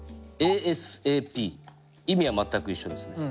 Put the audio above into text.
意味は全く一緒ですね。